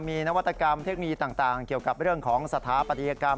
มีนวัตกรรมเทคโนโลยีต่างเกี่ยวกับเรื่องของสถาปัตยกรรม